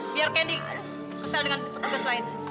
biar candy ke sel dengan pekerja selain